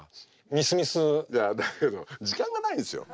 いやだけど時間がないんですよ。